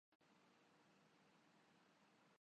میری سمجھ میں کچھ نہ آیا